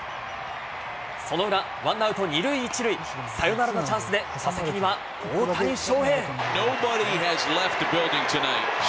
その裏、ワンアウト２塁１塁、サヨナラのチャンスで、打席には大谷翔平。